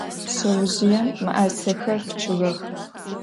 Şseozjıêm mı'erısexer piçığex.